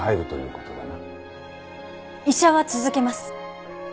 医者は続けます。